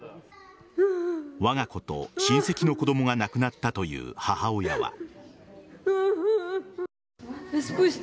わが子と親戚の子供が亡くなったという母親は。